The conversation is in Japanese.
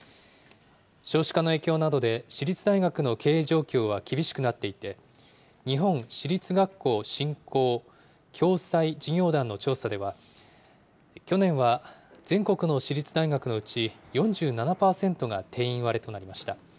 少子化の影響などで私立大学の経営状況は厳しくなっていて、日本私立学校振興・共済事業団の調査では、去年は全国の私立大学のうち４７％が定員割れとなりました。